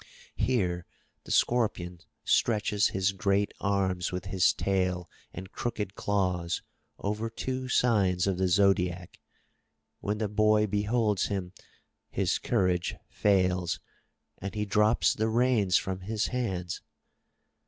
Here the Scorpion stretches his great arms with his tail and crooked claws over two signs of the Zodiac. When the boy beholds him, his courage fails, and he drops the reins from his hands.